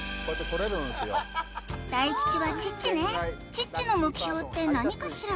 チッチの目標って何かしら？